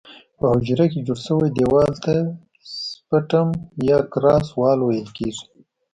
په حجره کې جوړ شوي دیوال ته سپټم یا کراس وال ویل کیږي.